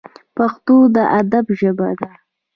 پښتو د ادب ژبه ده